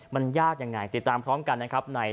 มันยากอย่างไร